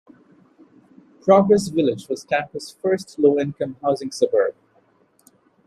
Progress Village was Tampa's first low-income housing suburb.